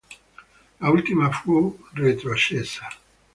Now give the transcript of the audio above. L'ultima fu retrocessa.